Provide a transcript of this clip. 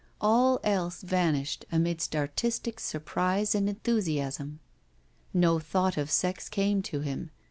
All else vanished amidst artistic surprise and enthusiasm. No thought of sex came to him.